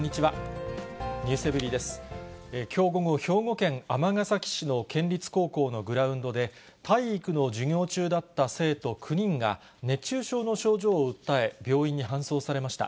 きょう午後、兵庫県尼崎市の県立高校のグラウンドで、体育の授業中だった生徒９人が、熱中症の症状を訴え、病院に搬送されました。